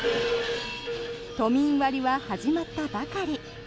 都民割は始まったばかり。